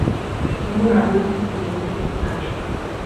І мы радуемся, смяемся і танчым.